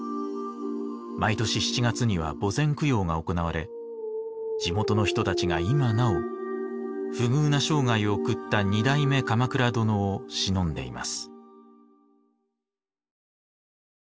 毎年７月には墓前供養が行われ地元の人たちが今なお不遇な生涯を送った二代目鎌倉殿をしのんでいます。